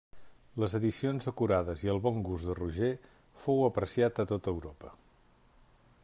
Les edicions acurades i el bon gust de Roger fou apreciat a tota Europa.